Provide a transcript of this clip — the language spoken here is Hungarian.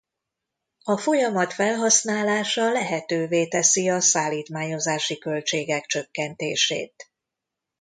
A folyamat felhasználása lehetővé teszi a szállítmányozási költségek csökkentését.